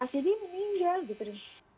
mas didi meninggal gitu